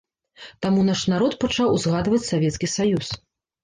Таму наш народ пачаў узгадваць савецкі саюз.